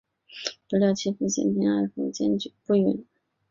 不料其父嫌贫爱富坚决不允。